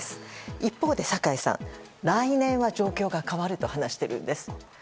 一方、酒井さんは来年は状況が変わると話しているんです。